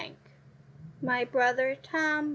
My brother Tom